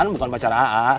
bukan pacar aa